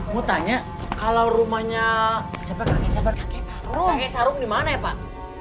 mau tanya kalau rumahnya kakek sarung di mana ya pak